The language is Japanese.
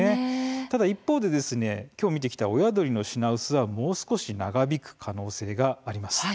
ただ一方で親鳥の品薄はもう少し長引く可能性があります。